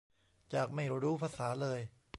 จากไม่รู้ภาษาเลย